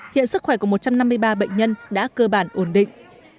hiện sức khỏe của một trăm năm mươi ba bệnh nhân đã cơ bản ổn định